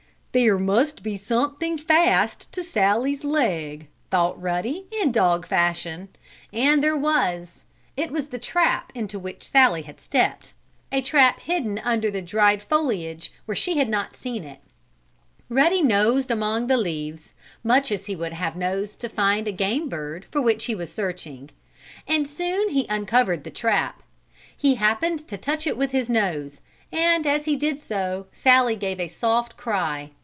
"There must be something fast to Sallie's leg," thought Ruddy, in dog fashion. And there was. It was the trap into which Sallie had stepped a trap hidden under the dried foliage where she had not seen it. Ruddy nosed among the leaves, much as he would have nosed to find a game bird for which he was searching. And soon he uncovered the trap. He happened to touch it with his nose, and, as he did so, Sallie gave a soft cry.